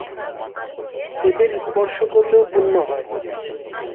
এদের স্পর্শ করলেও পুণ্য হয়!